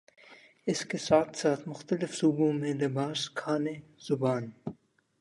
اس کے ساتھ ساتھ مختلف صوبوں میں لباس، کھانے، زبان